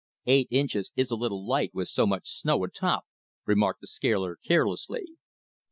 "Eight inches is a little light, with so much snow atop," remarked the scaler carelessly.